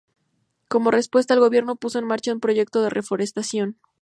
Como respuesta, el gobierno puso en marcha un proyecto de reforestación.